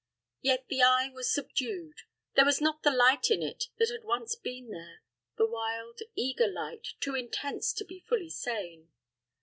Yet the eye was subdued. There was not the light in it that had once been there the wild, eager light, too intense to be fully sane.